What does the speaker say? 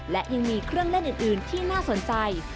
และยังมีเครื่องเล่นอื่นที่น่าสนใจ